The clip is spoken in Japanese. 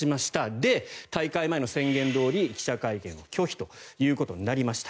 で、大会前の宣言どおり記者会見を拒否となりました。